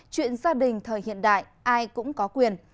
chuyện gia đình thời hiện đại ai cũng có quyền